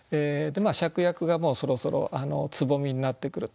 芍薬がもうそろそろ蕾になってくると。